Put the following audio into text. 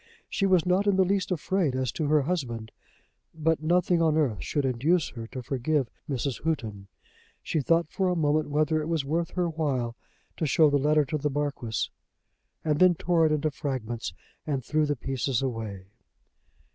She was not in the least afraid as to her husband. But nothing on earth should induce her to forgive Mrs. Houghton. She thought for a moment whether it was worth her while to show the letter to the Marquis, and then tore it into fragments and threw the pieces away.